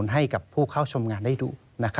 ให้กับผู้เข้าชมงานได้ดู